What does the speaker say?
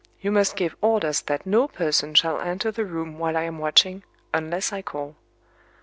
You must give orders that no person shall enter the room while I am watching, unless I call."